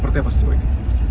seperti apa sebuah ini